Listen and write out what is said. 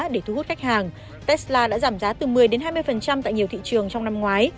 để thu hút khách hàng tesla đã giảm giá từ một mươi hai mươi tại nhiều thị trường trong năm ngoái